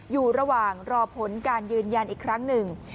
อยู่ระหว่างรอผลการยืนยันอีกครั้งหนึ่ง